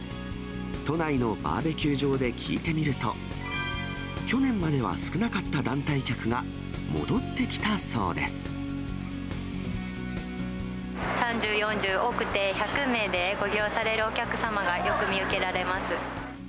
都内のバーベキュー場で聞いてみると、去年までは少なかった団体３０、４０、多くて１００名でご利用されるお客様がよく見受けられます。